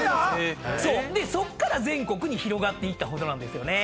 そこから全国に広がっていったほどなんですよね。